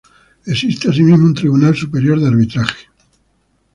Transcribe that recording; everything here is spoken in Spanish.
Existe asimismo un Tribunal Superior de Arbitraje.